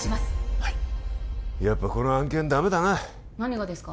はいやっぱこの案件ダメだな何がですか？